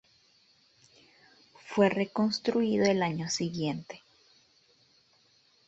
Fue reconstruido el año siguiente.